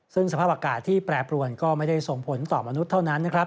ซึ่งสภาพอากาศที่แปรปรวนก็ไม่ได้ส่งผลต่อมนุษย์เท่านั้นนะครับ